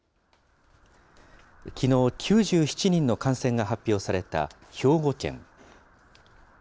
きのう、９７人の感染が発表された兵庫県。